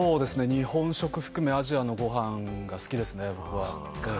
日本食はじめ、アジアのご飯が好きですね、僕は。